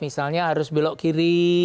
misalnya harus belok kiri